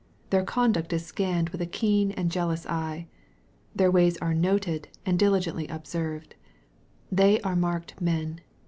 Their conduct is scanned with a keen and jealous eye. Their ways are noted and diligently observed. They are marked men.